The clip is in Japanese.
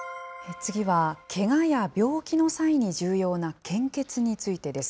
次は、けがや病気の際に重要な献血についてです。